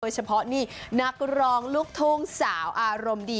เฉพาะนี่นักร้องลูกทุ่งสาวอารมณ์ดี